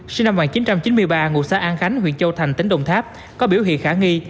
sinh năm một nghìn chín trăm chín mươi ba ngụ xã an khánh huyện châu thành tỉnh đồng tháp có biểu hiện khả nghi